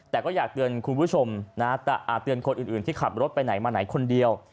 แต่ก็อยากเตือนคุณผู้ชมนะเตือนคนอื่นที่ขับรถไปไหนมาไหนคนเดียว